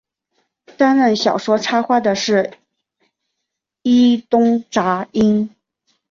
担任小说插画的是伊东杂音。